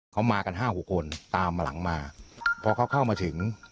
เขามากันห้าหกคนตามมาหลังมาพอเขาเข้ามาถึง